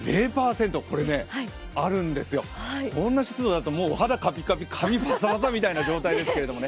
これね、あるんですよ、こんな湿度だとお肌カピカピ髪パサパサな状態ですけどね。